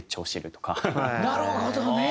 なるほどね。